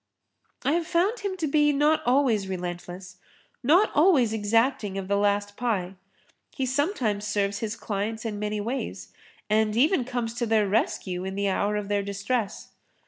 I have found him to be not always[Pg 28] relentless, not always exacting of the last pie. He sometimes serves his clients in many ways and even comes to their rescue in the hour of their distress.